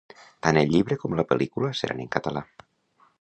Tant el llibre com la pel·lícula seran en català.